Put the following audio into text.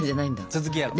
続きやろう。